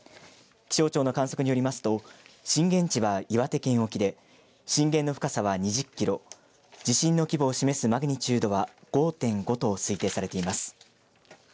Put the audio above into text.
気象庁の観測によりますと震源地は岩手県沖で震源の深さは２０キロ地震の規模を示すマグニチュードは５．５と推定されています。